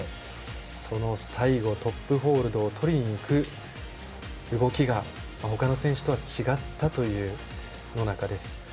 最後、トップホールドをとりにいく動きが他の選手とは違ったという野中です。